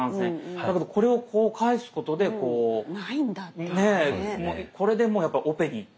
だけどこれをこう返すことでこうこれでもうやっぱオペに。